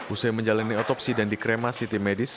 usai menjalani otopsi dan dikremasi tim medis